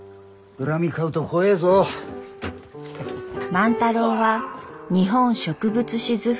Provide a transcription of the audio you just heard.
万太郎は「日本植物志図譜」